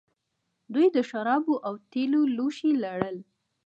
دوی د شرابو او تیلو لوښي لرل